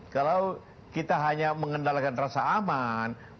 kalau kita hanya mengendalikan rasa aman